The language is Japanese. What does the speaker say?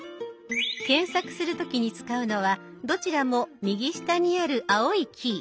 検索する時に使うのはどちらも右下にある青いキー。